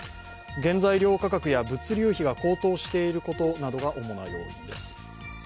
原材料価格や物流費が高騰していることなどが主な要因です。